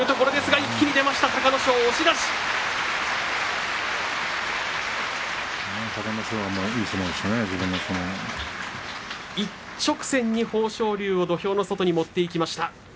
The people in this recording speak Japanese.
一直線に豊昇龍を土俵の外に持っていきました。